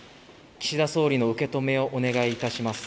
岸田総理の受け止めをお願いいたします。